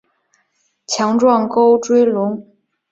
强壮沟椎龙。